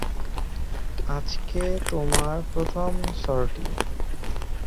আজকে তোমার প্রথম সর্টি।